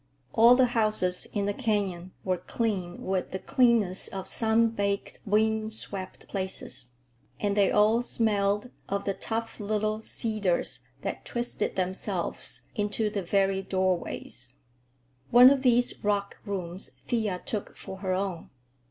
All the houses in the canyon were clean with the cleanness of sun baked, wind swept places, and they all smelled of the tough little cedars that twisted themselves into the very doorways. One of these rock rooms Thea took for her own.